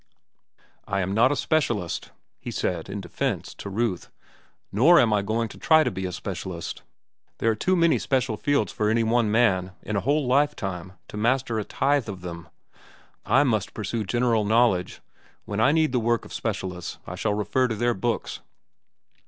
"I am not a specialist," he said, in defence, to Ruth. "Nor am I going to try to be a specialist. There are too many special fields for any one man, in a whole lifetime, to master a tithe of them. I must pursue general knowledge. When I need the work of specialists, I shall refer to their books."